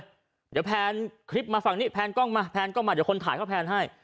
เดี๋ยวแพนคลิปมาฝั่งนี้แพนกล้องมาแพนกล้องมาเดี๋ยวคนถ่ายเขาแพนให้